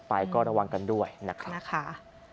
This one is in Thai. ไปก็ระวังกันด้วยนะครับ